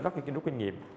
rất là kinh nghiệm